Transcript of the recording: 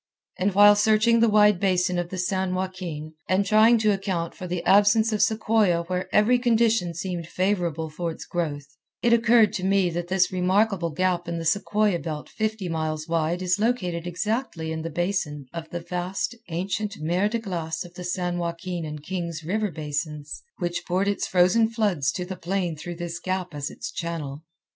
And while searching the wide basin of the San Joaquin, and trying to account for the absence of sequoia where every condition seemed favorable for its growth, it occurred to me that this remarkable gap in the sequoia belt fifty miles wide is located exactly in the basin of the vast, ancient mer de glace of the San Joaquin and Kings River basins which poured its frozen floods to the plain through this gap as its channel.